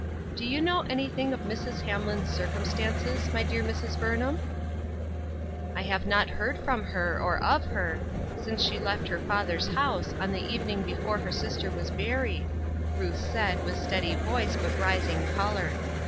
" Do you know anything of Mrs. Hamlin's circumstances, my dear Mrs. Burnham ?"" I have not heard from her, or of her, since she left her father's house, on the evening before her sister was buried," Ruth said, with steady voice, but rising color.